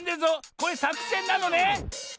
これさくせんなのね？